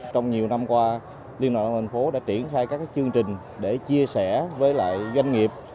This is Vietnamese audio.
trong nhiều năm qua liên đoàn lao động tp hcm đã triển khai các chương trình để chia sẻ với doanh nghiệp